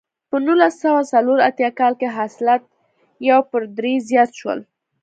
په نولس سوه څلور اتیا کال کې حاصلات یو پر درې زیات شول.